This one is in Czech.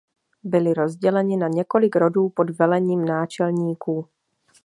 Byli rozděleni na několik rodů pod velením náčelníků.